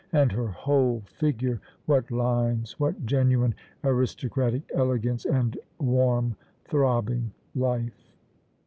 And her whole figure! What lines, what genuine aristocratic elegance, and warm, throbbing life!